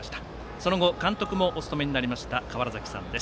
その後監督もお務めになりました川原崎さんです。